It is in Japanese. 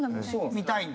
見たいんだ？